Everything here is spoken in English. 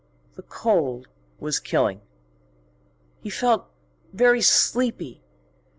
The cold was killing. He felt very sleepy.